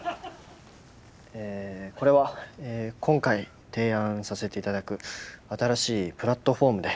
ええこれは今回提案させていただく新しいプラットフォームで。